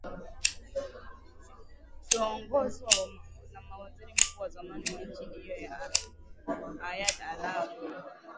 choongozwa na waziri mkuu wa zamani wa nchi hiyo yad alawi